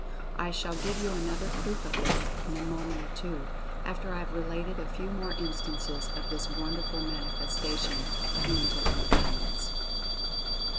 I shall give you another proof of this in a moment or two, after I have related a few more instances of this wonderful mani festation of Mental Influence.